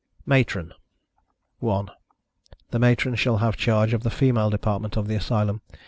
MATRON. 1. The Matron shall have charge of the female department of the Asylum.